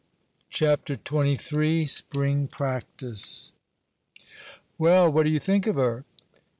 CHAPTER XXIII SPRING PRACTICE "Well, what do you think of her?"